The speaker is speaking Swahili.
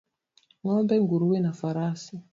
Ngombe nguruwe na farasi